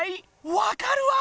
わかるわ！